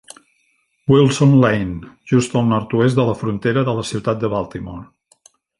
Wilson Lane, just al nord-oest de la frontera de la ciutat de Baltimore.